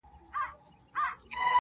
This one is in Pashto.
ليلا مجنون.